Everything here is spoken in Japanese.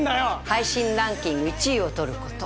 配信ランキング１位を取ること